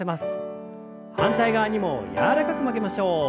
反対側にも柔らかく曲げましょう。